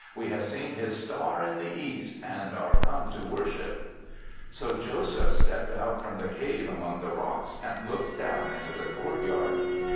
We have seen his star in the East and are come to worship/ ''So Joseph stepped out from the cave among the rocks and looked down into the courtyard.